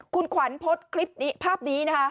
คุณขวัญโพสต์คลิปนี้ภาพนี้นะคะ